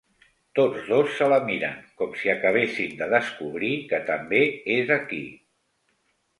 Tots dos se la miren, com si acabessin de descobrir que també és aquí.